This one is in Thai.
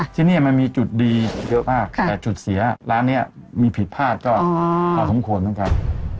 ที่นี่มันมีจุดดีเยอะมากแต่จุดเสียร้านนี้มีผิดพลาดก็พอสมควรเหมือนกัน